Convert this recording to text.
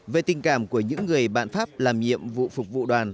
về tình cảm của những người bạn pháp làm nhiệm vụ phục vụ đoàn